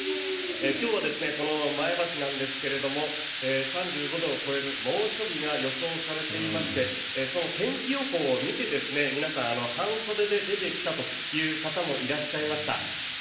今日はこの前橋なんですけれども３５度を超える猛暑日が予想されていましてその天気予報を見て皆さん、半袖出てきたという方もいらっしゃいました。